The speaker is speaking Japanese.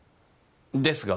ですが。